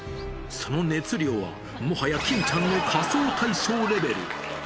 その熱量は、もはや欽ちゃんの仮装大賞レベル。